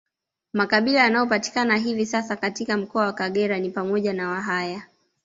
Makabila yanayopatikana hivi sasa katika mkoa wa Kagera ni pamoja na Wahaya